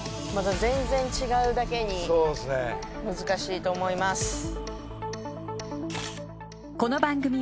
全然違うだけに難しいと思います。